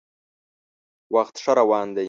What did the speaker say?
وخت ښه روان دی.